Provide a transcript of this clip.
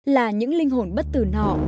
là những linh hồn bất tử nọ